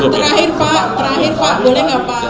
terakhir pak boleh nggak pak